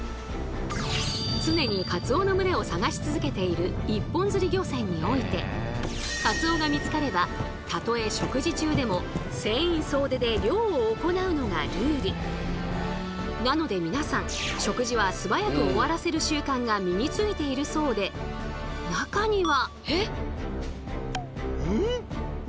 常にカツオの群れを探し続けている一本釣り漁船においてカツオが見つかればたとえなので皆さん食事はすばやく終わらせる習慣が身についているそうで中には。